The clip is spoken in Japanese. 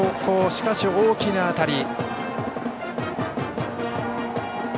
しかし大きな当たり。